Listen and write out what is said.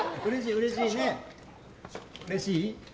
うれしい？